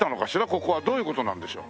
ここは。どういう事なんでしょう？